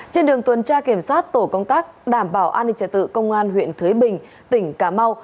trên đường tuần tra kiểm soát tổ công tác đảm bảo an ninh trả tự công an huyện thới bình tỉnh cà mau